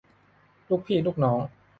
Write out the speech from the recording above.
ลูกพี่ลูกน้อง